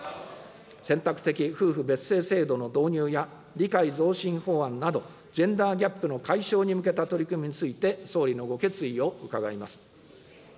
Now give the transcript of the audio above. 選択的夫婦別姓制度の導入や理解増進法案など、ジェンダーギャップの解消に向けた取り組みについて総理のご決意を伺います。